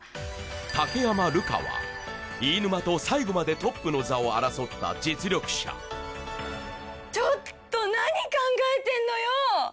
武山瑠香は飯沼と最後までトップの座を争った実力者ちょっと何考えてんのよ！